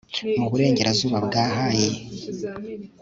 mu burengerazuba bwa hayi